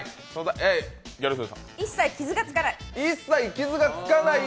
一切傷がつかない。